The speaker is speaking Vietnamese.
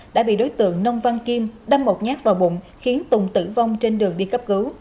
đã bị đối tượng nông văn kim đâm một nhát vào bụng khiến tùng tử vong trên đường đi cấp cứu